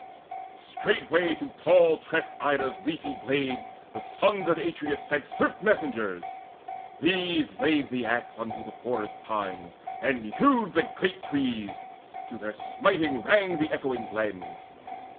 Straightway to tall tressed Ida's leafy glades The sons of Atreus sent swift messengers. These laid the axe unto the forest pines, And hewed the great trees: to their smiting rang The echoing glens.